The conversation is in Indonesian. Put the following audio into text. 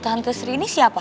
tante sri ini siapa